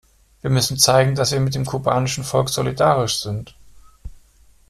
Wir müssen zeigen, dass wir mit dem kubanischen Volk solidarisch sind.